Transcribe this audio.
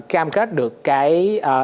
cam kết được cái